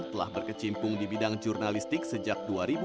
telah berkecimpung di bidang jurnalistik sejak dua ribu dua